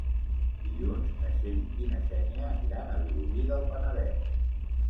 Dilluns na Txell i na Xènia aniran a Vilobí del Penedès.